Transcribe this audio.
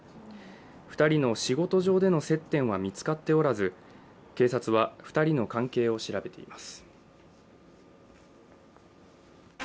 ２人の仕事上での接点は見つかっておらず警察は２人の関係を調べています。